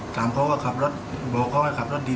เขาก็ขับรถบอกเขาให้ขับรถดี